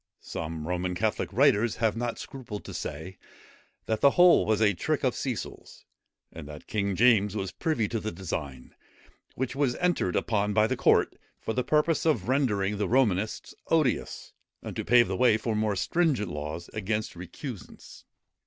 Some Roman Catholic writers have not scrupled to say, that the whole was a trick of Cecil's, and that King James was privy to the design, which was entered upon by the court, for the purpose of rendering the Romanists odious, and to pave the way for more stringent laws against recusants.